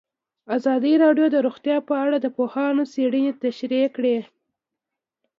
ازادي راډیو د روغتیا په اړه د پوهانو څېړنې تشریح کړې.